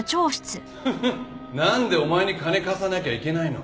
フフッなんでお前に金貸さなきゃいけないの？